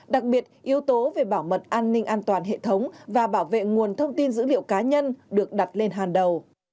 đặc biệt yếu tố về bảo mật an ninh an toàn hệ thống và bảo vệ nguồn thông tin dữ liệu cá nhân được đặt lên hàng đầu